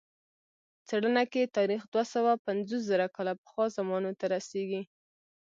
څېړنه کې تاریخ دوه سوه پنځوس زره کاله پخوا زمانو ته رسېږي.